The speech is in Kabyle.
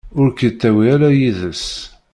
Ur k-yettawi ara yid-s.